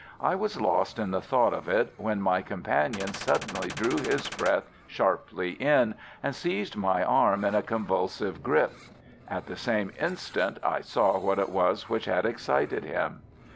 I was lost in the thought of it when my companion suddenly drew his breath sharply in, and seized my arm in a convulsive grip. At the same instant I saw what it was which had excited him.